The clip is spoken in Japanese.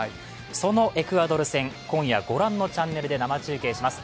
そのエクアドル戦、今夜、ご覧のチャンネルで生中継します。